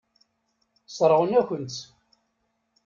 Sseṛɣen-akent-t.